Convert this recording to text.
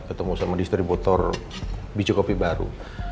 ketemu sama distri botor bicu kopi baru